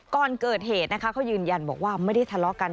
ก่อนเกิดเหตุนะคะเขายืนยันบอกว่าไม่ได้ทะเลาะกัน